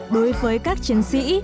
đối với các chiến sĩ